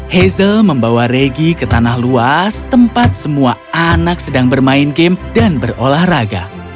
hazel membawa regi ke tanah luas tempat semua anak sedang bermain game dan berolahraga